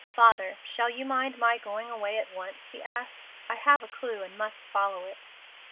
"Father, shall you mind my going away at once?" he asked. "I have a clue, and must follow it."